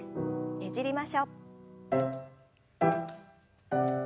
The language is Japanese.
ねじりましょう。